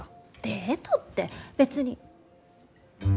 デートって別に。